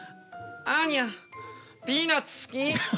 アーニャピーナツ好き。